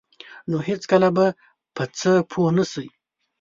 نو هیڅکله به په څه پوه نشئ.